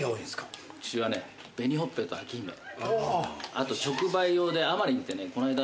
あと直売用であまりんってねこないだ